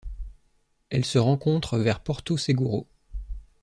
Elle se rencontre vers Porto Seguro.